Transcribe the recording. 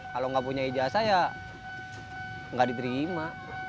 kalau nggak punya ijazah ya nggak diterima